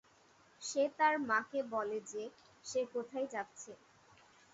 সে তার মাকে বলে যে, সে কোথায় যাচ্ছে।